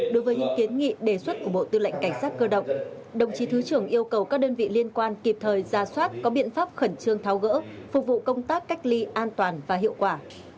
đối với những kiến nghị đề xuất của bộ tư lệnh cảnh sát cơ động đồng chí thứ trưởng yêu cầu các đơn vị liên quan kịp thời ra soát có biện pháp khẩn trương tháo gỡ phục vụ công tác cách ly an toàn và hiệu quả